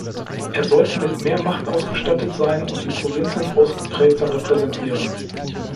Er sollte mit mehr Macht ausgestattet sein und die Provinzen ausgeprägter repräsentieren.